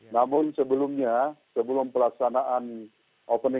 namun sebelumnya sebelum pelaksanaan